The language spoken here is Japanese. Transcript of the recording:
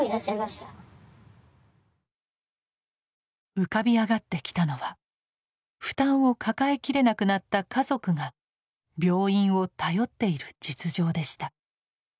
浮かび上がってきたのは負担を抱えきれなくなった家族が病院を頼っている実情でした。